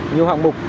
nhiều hoạt mục